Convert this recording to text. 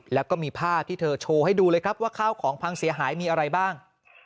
แล้วก็มีภาพที่เธอโชว์ให้ดูเลยครับว่าข้าวของพังเสียหายมีอะไรบ้าง